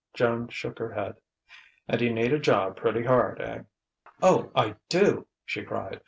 Joan shook her head. "And you need a job pretty hard eh?" "Oh, I do!" she cried.